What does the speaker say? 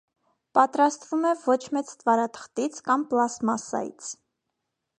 Պատրաստվում է ոչ մեծ ստվարաթղթից կամ պլաստմասսայից։